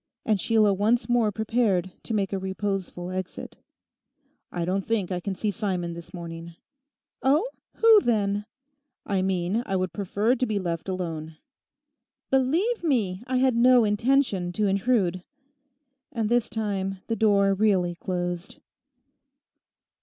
And Sheila once more prepared to make a reposeful exit. 'I don't think I can see Simon this morning.' 'Oh. Who, then?' 'I mean I would prefer to be left alone.' 'Believe me, I had no intention to intrude.' And this time the door really closed.